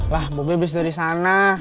lah mbak be bisa dari sana